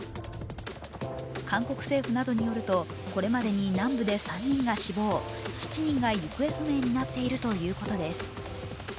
韓国政府などによると、これまでに南部で３人が死亡、７人が行方不明になっているということです。